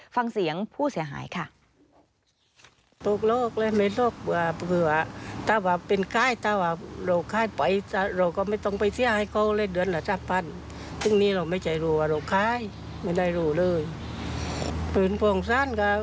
ฟังเสียงผู้เสียหายค่ะ